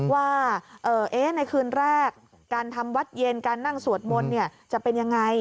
ว่าในคืนแรกการทำวัดเย็นการนั่งสวดมนต์จะเป็นยังไง